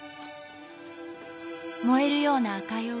「燃えるような赤い帯